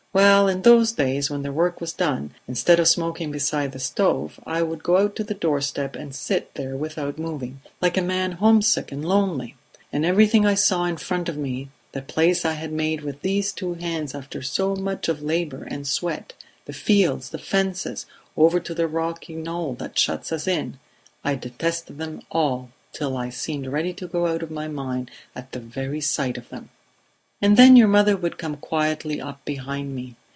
"Well, in those days, when the work was done, instead of smoking beside the stove I would go out to the door step and sit there without moving, like a man homesick and lonely; and everything I saw in front of me the place I had made with these two hands after so much of labour and sweat the fields, the fences, over to the rocky knoll that shut us in I detested them all till I seemed ready to go out of my mind at the very sight of them. "And then your mother would come quietly up behind me.